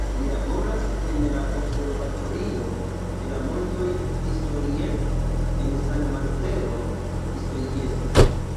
Li laboras en la Observatorio de la Montoj Pistoiese, en San Marcello Pistoiese.